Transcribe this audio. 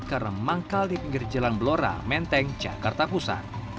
karena manggal di pinggir jalan belora menteng jakarta pusat